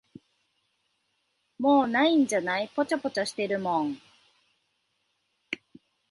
もう無いんじゃない、ぽちゃぽちゃしてるもん。